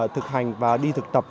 thực hành và đi thực tập